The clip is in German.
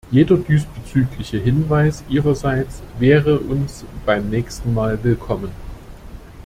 Jeder diesbezügliche Hinweis Ihrerseits wäre uns beim nächsten Mal willkommen.